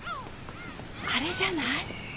あれじゃない？